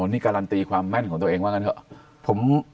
นี่การันตีความแม่นของตัวเองว่างั้นเถอะ